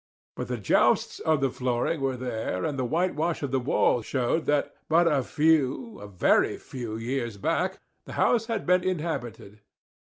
But the joists of the flooring were there, and the whitewash of the walls showed that but a few, a very few years back, the house had been inhabited.